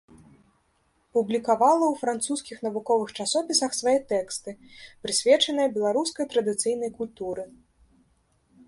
Публікавала ў французскіх навуковых часопісах свае тэксты, прысвечаныя беларускай традыцыйнай культуры.